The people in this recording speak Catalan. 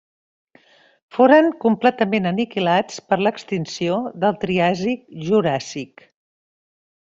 Foren completament aniquilats per l'extinció del Triàsic-Juràssic.